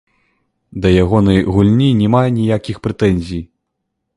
Да ягонай гульні няма ніякіх прэтэнзій.